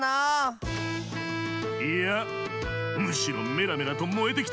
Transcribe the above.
いやむしろメラメラともえてきた。